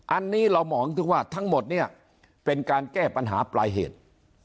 อันนี้เรามองถึงว่าทั้งหมดเนี่ยเป็นการแก้ปัญหาปลายเหตุ